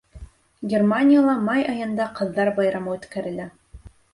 Германияла май айында Ҡыҙҙар байрамы үткәрелә.